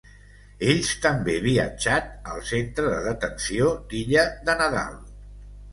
Ells també viatjat al Centre de Detenció d'Illa de Nadal.